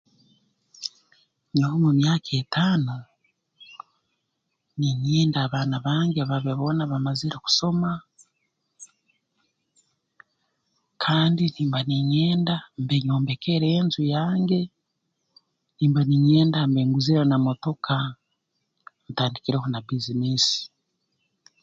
Nyowe mu myaka etaano ninyenda abaana bange babe boona bamazire kusoma kandi nimba ninyenda mbe nyombekere enju yange nimba ninyenda mbe nguzire na motoka ntandikireho na bbiizineesi